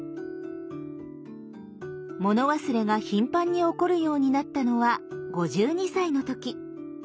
物忘れが頻繁に起こるようになったのは５２歳の時。